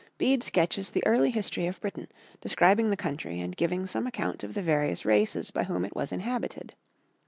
1 22, Bede sketches the early history of Britain, describing the country and giving some account of the various races by whom it was inhabited.